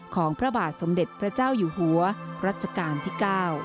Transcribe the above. ของพระบาทสมเด็จพระเจ้าอยู่หัวรัชกาลที่๙